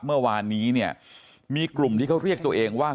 เมื่อวานนี้เนี่ยมีกลุ่มที่เขาเรียกตัวเองว่า